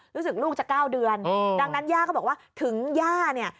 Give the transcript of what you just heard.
รู้สึกลูกจะเก้าเดือนโอ้โหดังนั้นย่าก็บอกว่าถึงย่าเนี่ย